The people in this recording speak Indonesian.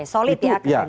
solid ya ke ganjar